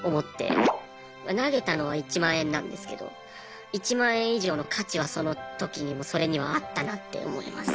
投げたのは１万円なんですけど１万円以上の価値はその時にもそれにはあったなって思いますね。